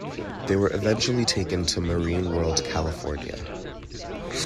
They were eventually taken to Marine World California.